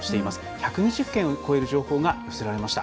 １２０件を超える情報が寄せられました。